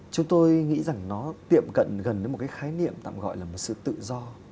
chúng tôi nghĩ rằng nó tiệm cận gần với một cái khái niệm tạm gọi là một sự tự do